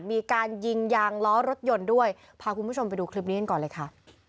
มีการยิงยางล้อรถยนต์ด้วยพาคุณผู้ชมไปดูคลิปนี้กันก่อนเลยค่ะ